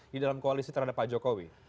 di dalam koalisi terhadap pak jokowi